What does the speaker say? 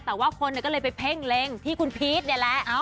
แต่ว่าคนก็เลยไปเพ่งเล็งที่คุณพีชนี่แหละ